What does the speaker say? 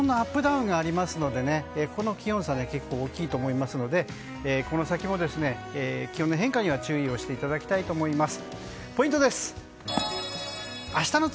ちょっとこの辺りで気温のアップダウンがありますのでこの気温差結構大きいと思いますのでこの先も気温の変化には注意していただきたいと思います。